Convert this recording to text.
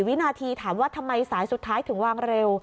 วินาทีถามว่าทำไมสายสุดท้ายถึงวางเร็ว